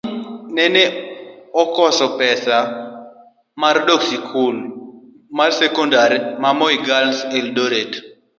nyako ni nene okoso pesa mar dongo esikul marsekondari mar Moi Girls, Eldoret